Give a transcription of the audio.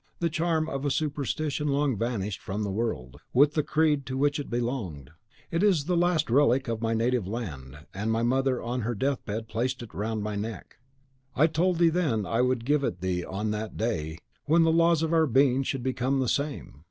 the charm of a superstition long vanished from the world, with the creed to which it belonged. It is the last relic of my native land, and my mother, on her deathbed, placed it round my neck. I told thee then I would give it thee on that day WHEN THE LAWS OF OUR BEING SHOULD BECOME THE SAME."